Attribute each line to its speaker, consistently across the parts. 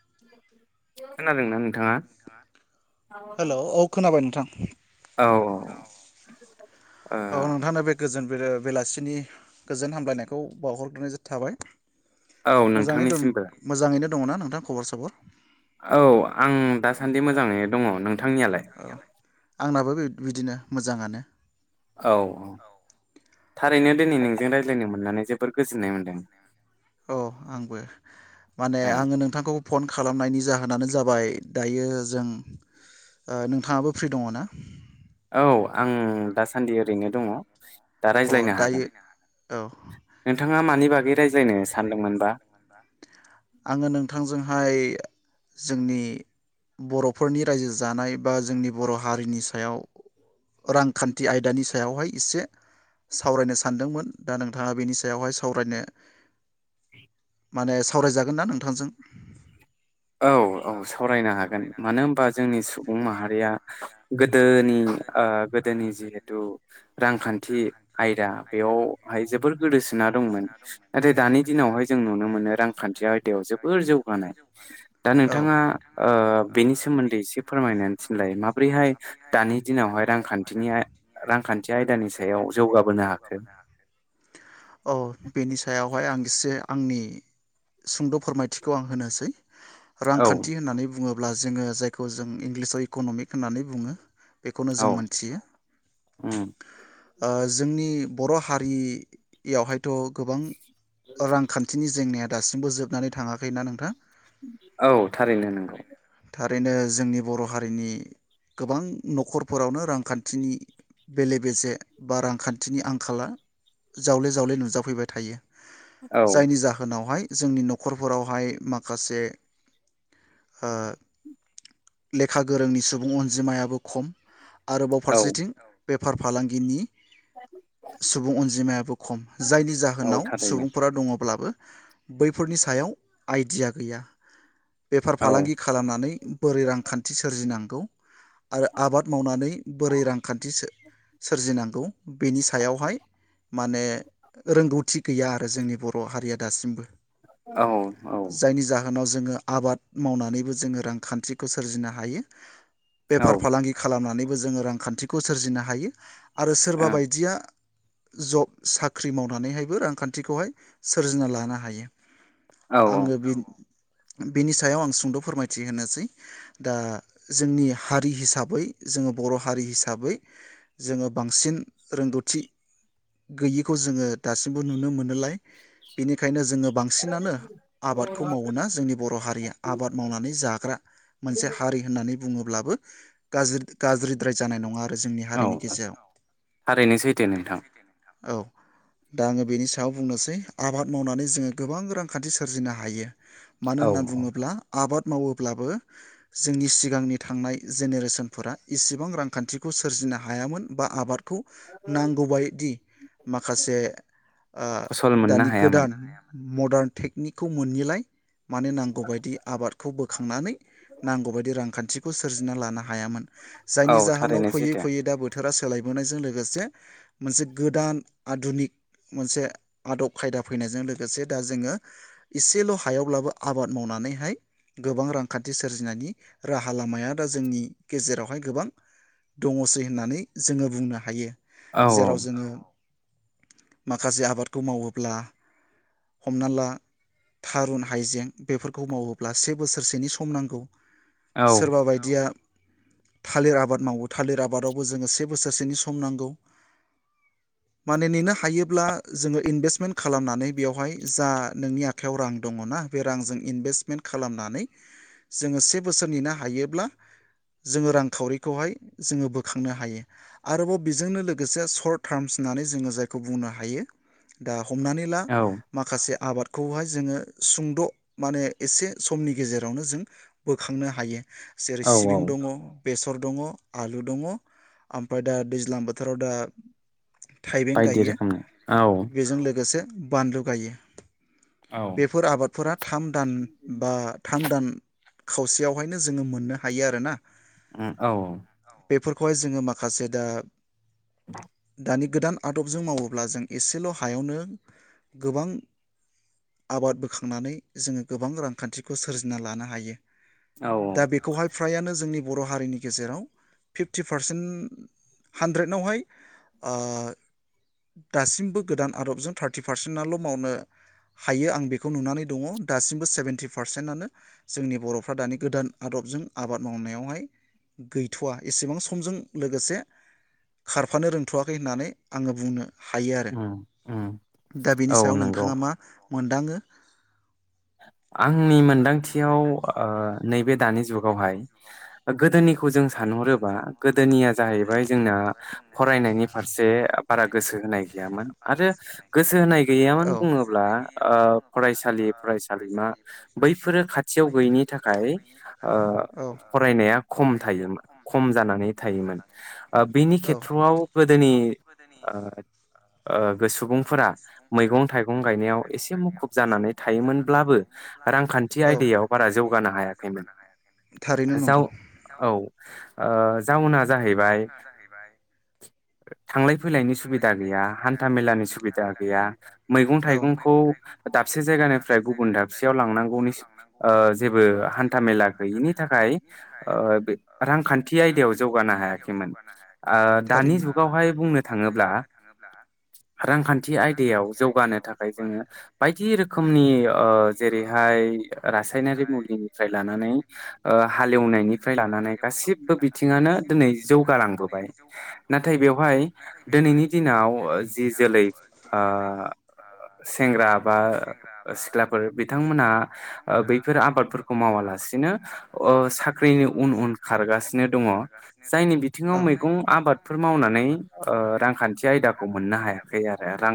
Speaker 1: ज [unintelligible]
Speaker 2: खोनादोंना नोंथाङा हेलौ औ खोनाबाय नोंथां
Speaker 1: औ
Speaker 2: औ औ नोंथां बे गोजोन बे बेलासिनि गोजोन हाम लायनायखौ बावहरग्रोनाय जाबाय थाबाय
Speaker 1: औ
Speaker 2: मोजाङै दं
Speaker 1: नोंथांनिसिमबो
Speaker 2: मोजाङैनो दङना नोंथा खबर सबर
Speaker 1: औ आं दास सान्दि मोजाङै दङ नोंथांनियालाय
Speaker 2: आंनाबो बिदिनो मोजाङानो
Speaker 1: औ औ थारैनो दिनै नोंजों रायज्लायनो मोननानै जोब बोर गोजोननाय मोनदों
Speaker 2: औ आंबो माने
Speaker 1: औ
Speaker 2: आङो नोंथांखौ फन खालामनायनि जा होनानो जाबाय दायो जों ओ नोंथाङाबो फ्रि दङ ना
Speaker 1: औ आं दासान्दि ओरैनो दङ दा
Speaker 2: अ
Speaker 1: रायज्लायनो हागोन
Speaker 2: दायो औ नोंथाङा मानि बागै रायजायनो सानदोंमोनबा आङो नोंथांजोंहाय जोंनि बर'फोरनि रायजो जानाय बा जोंनि बर' हारिनि सायाव रांखान्थि आयदानि सायावहाय एसे सावरायनो सानदोंमोन दा नोंथाङा बेनि सायावहाय सावरायनो माने सावरायजागोन ना नोंथांजों
Speaker 1: औ औ सावरायनो हागोन मानो होमबा जोंनि सुबुं माहारिया गोदोनि ओ गोदोनि जिहेथु रांखान्थि आयदा बेयावहाय जोबोर गोदोसोना दंमोन नाथाय दानि दिनावहाय जों नुनो मोनो रांखान्थि आयदायाव जोबोर जौगानाय दा नोंथाङा ओ बेनि सोमो
Speaker 2: बेनि सोमोन्दै एसे फोरमायनानै थिनलाय माब्रैहाय दानि दिनावहाय रांखान्थि आयदानि सायाव जौगाबोनो हाखो औ बेनि सायावहाय आं एसे आंनि सुंद' फोरमायथिखौ आं होनोसै
Speaker 1: औ
Speaker 2: रांखान्थि होननानै बुङो अब्ला जोङो जाय खौ जों इंलिसाव इकनमिक होन्नानै बुङो बेखौनो
Speaker 1: औ
Speaker 2: जों मोनथियो
Speaker 1: उम
Speaker 2: ओ जोंनि बर' हारियावहायथ' गोबां रांखान्थिनि जेंनाया दासिमबो जोबनानै थाङाखै ना नोंथां
Speaker 1: औ थारैनो नोंगौ
Speaker 2: बेनि थाखाय जोंनि बर' हारिनि गोबां नखरफोरावनो रांखान्थिनि बेले बेजे बा रांखान्थिनि आंखाला जावले जावले नुजाफैबाय थायो
Speaker 1: औ
Speaker 2: जायनि जाहोनावहाय जोंनि नखरफोरावहाय माखासे ओ लेखा गोरोंनि सुबुं अनजिमायाबो खम आरोबाव
Speaker 1: औ
Speaker 2: फारसेथिं बेफार फालांगिनि सुबुं अनजिमायाबो खम जायनि
Speaker 1: औ
Speaker 2: जाहोनाव
Speaker 1: थारैनो
Speaker 2: सुबुंफोरा दङब्लाबो बैफोरनि सायाव आइडिया गैया बेफार
Speaker 1: औ
Speaker 2: फालांगि खालामनानै बोरै रांखान्थि सोरजिनांगौ आरो आबाद मावनानै बोरै रांखान्थि सोर-सोरजिनांगौ बेनि सायावहाय माने रोंगौथि गैया आरो जोंनि बर' हारिया दासिमबो
Speaker 1: औ औ
Speaker 2: [unintelligible] जोङो आबाद मावनानैबो जोङो रां खानथिखौ सोरजिनो हायो
Speaker 1: औ
Speaker 2: बेफार फालांगि खालामनानै जोङो रांखानथिखौ सोरजिनो हायो आरो सोरबा बायदिया जब साख्रि मावनानैहायबो रांखानथिखौहाय सोरजिना लानो हायो
Speaker 1: औ
Speaker 2: आङो बिन बिनि सायाव आं सुंद' फोरमायथि होनो सै दा जोंनि हारि हिसाबै जोङो बर' हारि हिसाबै जोङो बांसिन रोंगौथि गैयिखौ जोङो दासिमबो नुनो मोनोलाय बेनिखायनो जोङो बांसिनानो आबादखौ मावोना जोंनि बर' हारिया आबाद मावनानै जाग्रा मोनसे हारि होननानै बुङोब्लाबो गाज्रि गाज्रिद्राय जानाय नङा आरो जोंनि
Speaker 1: औ
Speaker 2: हारिनि गेजेराव
Speaker 1: थारैनो सैथो नोंथां।
Speaker 2: औ दा आङो बेनि सायाव बुंनोसै आबाद मावनानै जोङो गोबां रांखानथि सोरजिनो हायो। मानो
Speaker 1: औ
Speaker 2: होनना बुङोब्ला आबाद मावोब्लाबो जोंनि सिगांनि थांनाय जेनेरेसनफोरा इसेबां रांखानथिखौ सो सोरजिनो हायामोन बा आबादखौ नांगौबायदि माखासे ओ
Speaker 1: फसल मोननो
Speaker 2: दानि
Speaker 1: हायामोन।
Speaker 2: गोदान मदार्न टेकनिक खौ मोनिलाय माने नांगौ बायदि आबादखौ बो खांनानै नांगौ बायदि रांखानथिखौ सोरजिना लानो हायामोन
Speaker 1: औ
Speaker 2: जायनि जाहोनाव
Speaker 1: थारैनो
Speaker 2: फैयै
Speaker 1: सैथो।
Speaker 2: फैयै दा बो थोरा सोलायबोनायजों लोगोसे मोनसे गोदान आदुनिक मोनसे आदब खायदा फैनायजों लोगोसे दा जोङो एसेल' हायावब्लाबो आबाद मावनानैहाय गोबां रां खानथि सोरजिनायनि राहा लामाया दा जोंनि गेजेरावहाय गोबां दङसै होननानै जोङो बुंनो हायो।
Speaker 1: औ
Speaker 2: जेराव जोङो माखासे आबादखौ मावोब्ला हमना ला थारुन हाइजें बेफोरखौ मावोब्ला से बोसोरसेनि खम नांगौ।
Speaker 1: औ
Speaker 2: सोरबा बायदिया थालिर आबाद मावो थालिर आबादावबो जोङो से बोसोरसेनि सम नांगौ माने नेनो हायोब्ला जोङो इनभेस्टमेन्ट खालामनानै बेवहाय जा नोंनि आखायाव रां दङना बे रांजों इनभेस्टमेन्ट खालामनानै जोङो से बोसोर नेनो हायोब्ला जोङो रांखावरिखौहाय जोङो बोखांनो हायो आरोबाव बेजोंनो लोगोसे शर्ट टार्म्स होननानै जोङो जायखौ बुंनो हायो। दा हमनानै ला
Speaker 1: औ
Speaker 2: माखासे आबाद खौहाय जोङो सुंद' माने एसे समनि गेजे रावनो जों बोखांनो हायो। जेरै
Speaker 1: औ
Speaker 2: सिबिं
Speaker 1: औ
Speaker 2: दङ बे सर दङ आलु दङ ओमफ्राय दा दैज्लां बोथोराव दा थाइबें
Speaker 1: बायदि
Speaker 2: गायो
Speaker 1: रोखोमनि औ
Speaker 2: बेजों लोगोसे बानलु गायो।
Speaker 1: औ
Speaker 2: बेफोर आबादफोरा थाम दान बा थाम दान खावसेयावहायनो जोङो मोननो हायो आरोना।
Speaker 1: ओ औ
Speaker 2: बेफोरखौहाय जोङो माखासे दा दानि गोदान आदबजों मावोब्ला जों एसेल' हायावनो गोबां आबाद बोखांनानै जोङो गोबां रांखान्थि खौ सोरजिना लानो हायो।
Speaker 1: औ
Speaker 2: दा बेखौहाय फ्रायानो जोंनि बर' हारिनि गेजेराव फिफ्टि पारसेन हानद्रेदावहाय ओ दासिमबो गोदान आदबजों थार्टि पारसेटल' मावनो हायो आं बेखौ नुनानै दङ दासिमबो सेभटिब पारसेन्टनो जोंनि बर'फ्रा दानि गोदान आदबजों आबाद मावनायावहाय गैथ'वा एसेबां समजों लोगोसे खारफानो रोंथ'वाखै होननानै आङो बुंनो हायो आरो
Speaker 1: उम उम
Speaker 2: दा बेनि
Speaker 1: औ
Speaker 2: सायाव
Speaker 1: नंगौ
Speaker 2: नोंथाङा मा मोनदाङो
Speaker 1: आंनि मोनदांथियाव ओ नैबे दानि जुगावहाय गोदोनिखौ जों सानहरोबा गोदोनिया जाहैबाय जोंना फरायनायनि फारसे बारा गोसो होनाय गैयामोन आरो गोसो होनाय गैयामोन
Speaker 2: गोसो
Speaker 1: बुङोब्ला ओ फरायसालि फरायसालिमा बैफोरो खाथियाव गैयिनि थाखाय ओ
Speaker 2: ओ
Speaker 1: फरायनाया खम थायोमोन खम जानानै थायोमोन ओ बिनि खेथ्र'आव गोदोनि ओ ओ सुबुंफोरा मैगं थाइगं गायनायाव एसे मुखुब जानानै थायोमोनब्लाबो रांखान्थि आयदायाव बारा जौगानो हायाखैमोन।
Speaker 2: थारैनो
Speaker 1: जाउ
Speaker 2: नंगौ
Speaker 1: औ ओ जाउना जाहैबाय थांलाय फैनायनि सुबिदा गैया हान्था मेलानि सुबिदा गैया मैंगं
Speaker 2: औ
Speaker 1: थायगंखौ दसे जायगानिफ्राय गुबुन दाबसेयाव लांनांगौनि ओ जेबो हान्था मेला गैयिनि थाखाय ओ रांखान्थि आयदायाव जौगानो हायाखैमोन ओ दानि
Speaker 2: थारैनो
Speaker 1: जुगावहाय बुंनो थांब्ला थाङोब्ला रांखान्थि आयदायाव जौगानो थाखाय जोङो बायदि रोखोम रोखोमनि ओ जेरैहाय रासायनारि मुलिनिफ्राय लानानै ओ हालेवनायनिफ्राय लानानै गासिबो बिथिङानो दिनै जौगालांबोबाय नाथाय बेवहाय दिनैनि दिनाव जि जोलै ओ सेंग्रा बा सिख्लाफोर बिथांमोनहा बैफोर आबादफोरखौ मावालासिनो ओ साख्रिनि उन उन खारगासिनो दङ जायनि बिथिङाव मैगं आबादफोर मावनानै रांखान्थि आयदाखौ मोननो हायाखै आरो रां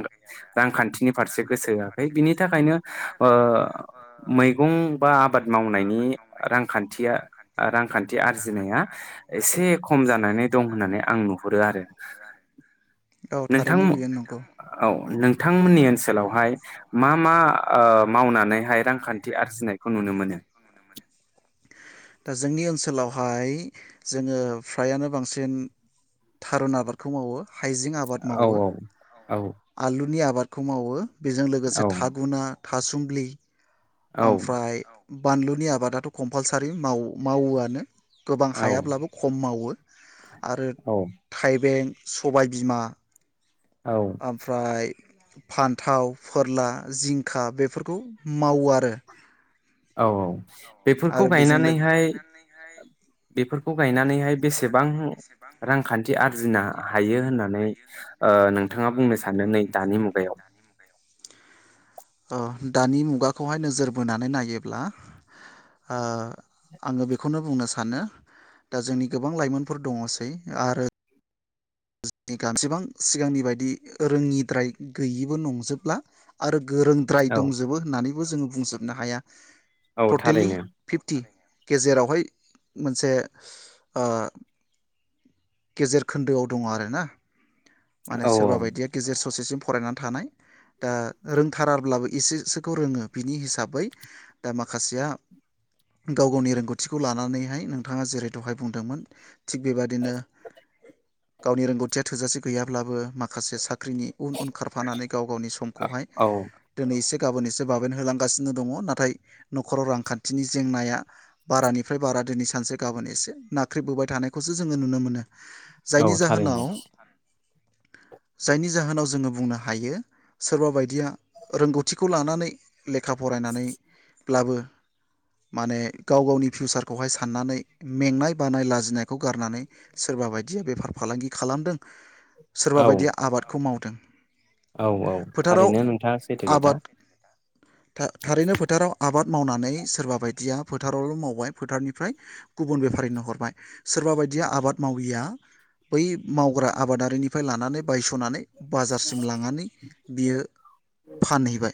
Speaker 1: रांखान्थिनि फारसे गोसो होआखै बिनि बिनि थाखायनो ओ मैगं बा आबाद मावनायनि रांखान्थिया रांखान्थि आरजिनाया एसे खम जानानै दं होननानै आं नुहरो आरो
Speaker 2: औ
Speaker 1: नोंथां
Speaker 2: थारैनो बेयो
Speaker 1: औ नोंथांमोननि ओनसोलावहाय
Speaker 2: माय
Speaker 1: मा
Speaker 2: मा मा ओ
Speaker 1: मावनानैहाय रांखान्थि
Speaker 2: मावनानैहाय
Speaker 1: आरजिनायखौ
Speaker 2: रांखान्थि
Speaker 1: नुनो मोनो?
Speaker 2: आरजिनायखौ नुनो मोनो। दा जोंनि ओनसोलावहाय जोङो फ्रायानो बांसिन थारुन आबाद खौ मावो। हाइजें आबाद
Speaker 1: औ
Speaker 2: मावो
Speaker 1: औ
Speaker 2: आलुनि आबाद खौ मावो बेजों लोगोसे
Speaker 1: औ
Speaker 2: थागुना थासुमलि ओमफ्राय बानलुनि आबादाथ' कम्पालसारि मावोआनो गोबां
Speaker 1: औ
Speaker 2: हायाब्लाबो खम मावो। आरो
Speaker 1: औ
Speaker 2: थाइबें सबाय बिमा
Speaker 1: औ
Speaker 2: ओमफ्राय फान्थाव फोरला जिंखा बेफोरखौ माव दो
Speaker 1: औ औ बेफोरखौ
Speaker 2: लो
Speaker 1: गायनानैहाय बेफोर गायनानैहाय बे बेसेबां रांखान्थि आरजिनो हायो होननानै आ नों
Speaker 2: नोंथाङा बुंनो सानो नै दानि मुगायाव ऐ दानि मुगाखौहाय नोजोर बोनानै नायोब्ला ओ आङो बेखौनो बुंनो सानो दा जोंनि गोबां लाइमोनफोर दङसै आरो [unintelligible] सेबां सिगांनि बायदि रोङिद्राय गैयिबो नंजोबला आरो गोरोंद्राय
Speaker 1: औ
Speaker 2: दंजोबो होननानैबो जोङो बुंजोबनो हाया
Speaker 1: औ
Speaker 2: टटेलि
Speaker 1: थारैनो
Speaker 2: फिफ्टि गेजेरावहाय मोनसे ओ गेजेर खोन्दोआव दङ आरो ना माने
Speaker 1: औ
Speaker 2: सोरबा बायदिया गेजेर ससेसिम फरायनानै थानाय दा रोंथाराब्लाबो एसेसोखौ रोङो बिनि हिसाबै दा माखासेया गाव गावनि रोंगौथिखौ लानानैहाय नोंथाङा जेरै दहाय बुंदोंमोन थिग बेबादिनो गावनि रोंगौथिया थोजासे गैयाब्लाबो माखासे स साख्रिनि उन उन खारफानानै गाव गावनि समखौहाय
Speaker 1: औ
Speaker 2: दिनै एसे गाबोन एसे बाबेन होलांगासिनो दङ नाथाय न'खराव रांखान्थिनि जेंनाया बारानिफ्राय बारा दिनै सानसे गाबोन एसे नाख्रेबोबाय थानायखौसो जोङो नुनो मोनो
Speaker 1: औ
Speaker 2: जायनि
Speaker 1: थारैनो
Speaker 2: जाहोनाव जायनि जाहोनाव जोङो बुंनो हायो सोरबा बायदिया रोंगौथिखौ लानानै लेखा फरायनानै ब्लाबो माने गाव गावनि फिउसारखौहाय साननानै मेंनाय बानाय लाजिनायखौ गारनानै सोरबा बायदिया बेफार फालांगि खालामदों सोरबा
Speaker 1: औ
Speaker 2: बायदिया आबादखौ माव [unintelligible]
Speaker 1: औ औ थारैनो नोंथाङा सैथो खोथा
Speaker 2: था-थारैनो फोथाराव आबाद मावनानै सोरबा बायदिया फोथारावल' मावबाय फोथारनिफ्राय गुबुन बेफारिनो हरबाय सोरबा बायदिया आबाद माविया बै मावग्रा आबादारिनि निफाय लानानै बायस'नानै बाजारसिम लांनानै बियो फानहैबाय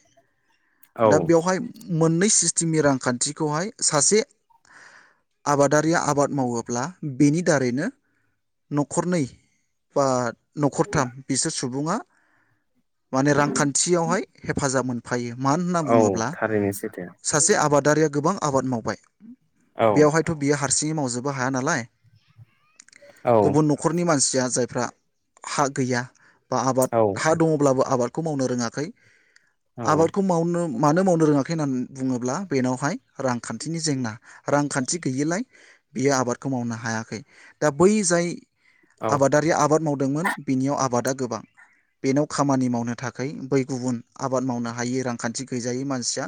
Speaker 1: औ
Speaker 2: दा बेवहाय मोननै सिस्टेमनि रां खान्थिखौहाय सासे आबादारिया आबाद मावोब्ला बेनि दारैनो न'खरनै बा न'खरथाम बिसोर सुबुङा [inaudible] माने रांखान्थियावहाय हेफाजाब मोन फायो मानो होनना
Speaker 1: औ
Speaker 2: बुङोब्ला
Speaker 1: थारैनो सैथो
Speaker 2: सासे आबादारिया गोबां आबाद मावबाय
Speaker 1: औ
Speaker 2: बेवहायथ' बियो हा सिंयै मावजोबनो हाया नालाय
Speaker 1: औ
Speaker 2: गुबुन न'खरनि मानसिया जाय फ्रा हा गैया बा आबाद
Speaker 1: औ
Speaker 2: हा दङब्लाबो आबाद खौ मावनो रोङाखै आबादखौ मावनो मानो मावनो रोङाखै होनना बुङोब्ला बेनावहाय रांखान्थिनि जेंना रांखान्थि गैयिलाय बियो आबादखौ मावनो हायाखै दा बै जाय
Speaker 1: औ
Speaker 2: आबादारि आबाद दोंमोन बिनियाव आबादा गोबां बेनाव खामानि मावनो थाखाय बै गुबुन आबाद मावनो हायै रांखान्थि गैजायै मानसिया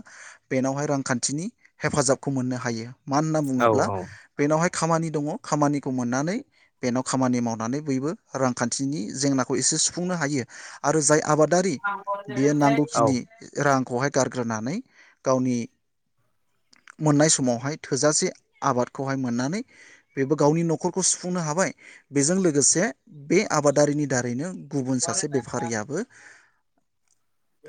Speaker 2: बेनावहाय रांखान्थिनि हेफाजाबखौ मोननो हायो। मा होनना
Speaker 1: औ
Speaker 2: बुङोब्ला
Speaker 1: औ
Speaker 2: बेनावहाय खामानि दङ खामानिखौ मोननानै बेनाव खामानि मावनानै बैबो रांखान्थिनि जेंनाखौ एसे सुफुंनो हायो आरो जाय आबा दारि बियो नांगौखिनि
Speaker 1: थारैनो
Speaker 2: रां खौहाय गारग्रोनानै गावनि मोननाय समावहाय थोजासे आबादखौहाय मोननानै बेबो गावनि न'खरखौ सुफुंनो हाबाय बेजों लोगोसे बे आबादारिनि दारैनो गुबुन सासे बेफारियाबो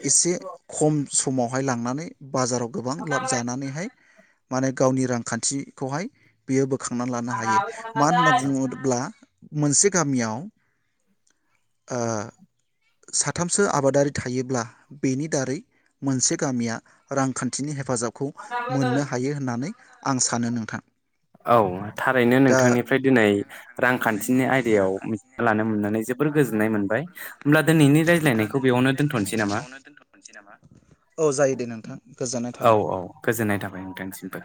Speaker 2: एसे खम समावहाय लांनानै बाजाराव गोबां लाब जानानैहाय माने गावनि रांखान्थिखौहाय बियो बो खांना लानो हायो मानो होनना बुङोब्ला मोनसे गामियाव ओ साथामसो आबादारि थायोब्ला बेनि दारै मोनसे गामिया रांखान्थिनि हे
Speaker 1: [unintelligible]
Speaker 2: आं सानो नोंथां
Speaker 1: औ थारैनो
Speaker 2: दा
Speaker 1: नोंथांनिफ्राय दिनै रांखान्थिनि आय
Speaker 2: रांखान्थिनि आयदायाव लानो मोननानै
Speaker 1: मोनबाय
Speaker 2: जोबोर गोजोननाय
Speaker 1: होमब्ला
Speaker 2: मोनबाय
Speaker 1: दिनैनि रायज्लायनायखौ
Speaker 2: अब्लाथाय नोंनि
Speaker 1: बेयावनो दोनथ'नोसै
Speaker 2: रायज्लायनायखौ
Speaker 1: नामा
Speaker 2: बेयावनो दोनथ'फिनोसै नामा औ जायो दे नोंथां गोजोननाय
Speaker 1: औ
Speaker 2: थाबाय
Speaker 1: औ गोजोननाय थाबाय नोंथांसिमबो